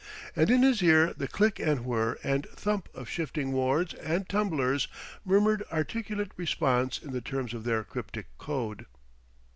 And in his ear the click and whir and thump of shifting wards and tumblers murmured articulate response in the terms of their cryptic code.